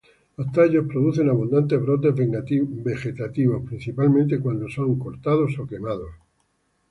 Los tallos producen abundantes brotes vegetativos, principalmente cuando son cortados o quemados.